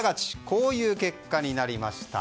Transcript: こういう結果になりました。